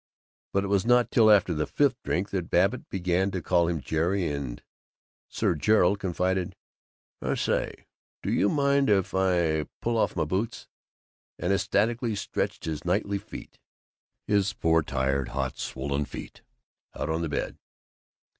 but it was not till after the fifth that Babbitt began to call him "Jerry," and Sir Gerald confided, "I say, do you mind if I pull off my boots?" and ecstatically stretched his knightly feet, his poor, tired, hot, swollen feet out on the bed.